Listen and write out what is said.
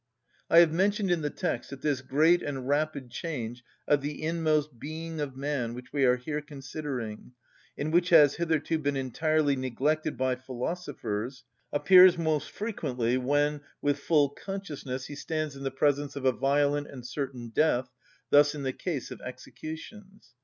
I have mentioned in the text that this great and rapid change of the inmost being of man which we are here considering, and which has hitherto been entirely neglected by philosophers, appears most frequently when, with full consciousness, he stands in the presence of a violent and certain death, thus in the case of executions.